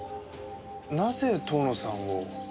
なぜ遠野さんを？